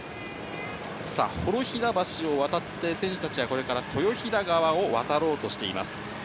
さあ、幌平橋を渡って、選手たちはこれから豊平川を渡ろうとしています。